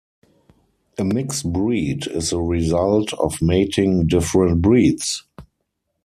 A mixed breed is the result of mating different breeds.